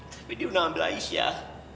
tapi diundang ambil aisyah